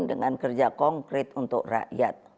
dengan kerja konkret untuk rakyat